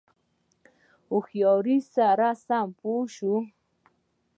هوښیاری سره سم پوه شو.